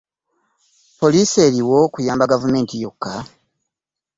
Poliisi eriwo kuyamba gavumenti yokka?